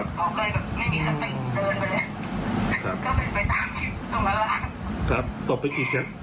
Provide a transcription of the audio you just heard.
ก็สามีภรรยาก็เข้าอกเข้าใจกันแล้ว